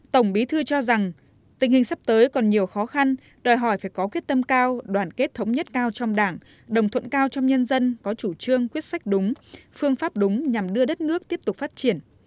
tổng bí thư cho rằng tình hình sắp tới còn nhiều khó khăn đòi hỏi phải có quyết tâm cao đoàn kết thống nhất cao trong đảng đồng thuận cao trong nhân dân có chủ trương quyết sách đúng phương pháp đúng nhằm đưa đất nước tiếp tục phát triển